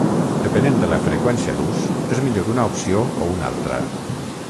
Depenent de la freqüència d'ús, és millor una opció o una altra.